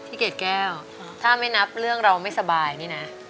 เกรดแก้วถ้าไม่นับเรื่องเราไม่สบายนี่นะ